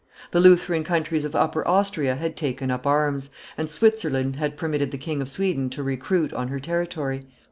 The Lutheran countries of Upper Austria had taken up arms; and Switzerland had permitted the King of Sweden to recruit on her territory.